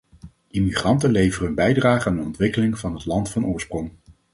Immigranten leveren hun bijdrage aan de ontwikkeling van het land van oorsprong.